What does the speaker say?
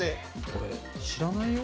これ知らないよ？